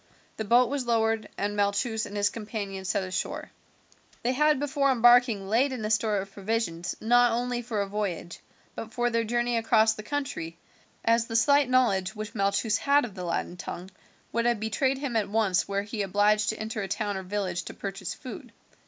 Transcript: The boat was lowered, and Malchus and his companions set on shore. They had before embarking laid in a store of provisions not only for a voyage, but for their journey across the country, as the slight knowledge which Malchus had of the Latin tongue would have betrayed him at once were he obliged to enter a town or village to purchase food.